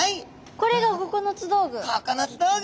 これが９つ道具！